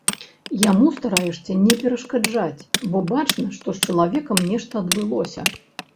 Яму стараешся не перашкаджаць, бо бачна, што з чалавекам нешта адбылося.